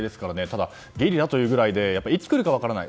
ただ、ゲリラというくらいでいつ来るか分からない。